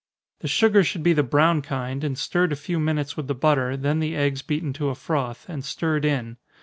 The sugar should be the brown kind, and stirred a few minutes with the butter, then the eggs beaten to a froth, and stirred in.